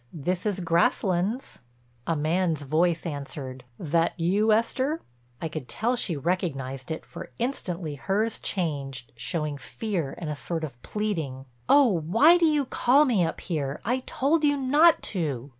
This is Grasslands." A man's voice answered: "That you, Esther?" I could tell she recognized it, for instantly hers changed, showed fear and a sort of pleading: "Oh, why do you call me up here? I told you not to."